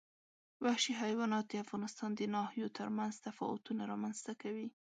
وحشي حیوانات د افغانستان د ناحیو ترمنځ تفاوتونه رامنځ ته کوي.